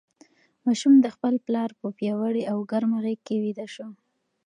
ماشوم د خپل پلار په پیاوړې او ګرمه غېږ کې ویده شو.